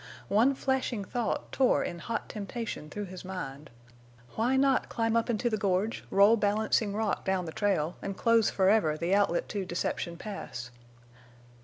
One flashing thought tore in hot temptation through his mind—why not climb up into the gorge, roll Balancing Rock down the trail, and close forever the outlet to Deception Pass?